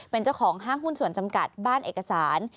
เป็นเจ้าของห้างหุ้นส่วนจำกัดบ้านเอกสาร